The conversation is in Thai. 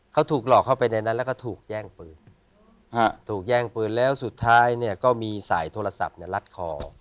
เขาถูกหลอกเข้าไปในนั้นแล้วก็ถูกแย่งปืนถูกแย่งปืนแล้วสุดท้ายเนี่ยก็มีสายโทรศัพท์รัดคอ